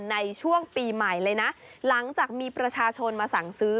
ในช่วงปีใหม่เลยนะหลังจากมีประชาชนมาสั่งซื้อ